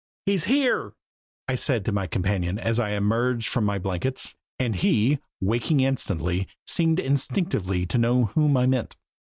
"He's here!" I said to my companion as I emerged from my blankets; and he, waking instantly, seemed instinctively to know whom I meant.